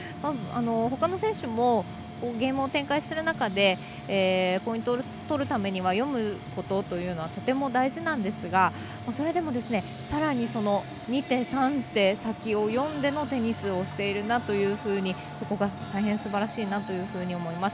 ほかの選手もゲームを展開する中でポイントを取るためには読むことというのはとても大事なんですがそれでもさらに二手、三手先を読んでのテニスをしているなとそこが大変すばらしいなというふうに思います。